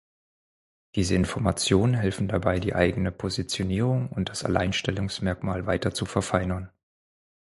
Diese Informationen helfen dabei, die eigene Positionierung und das Alleinstellungsmerkmal weiter zu verfeinern.